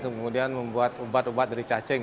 kemudian membuat ubat ubat dari cacing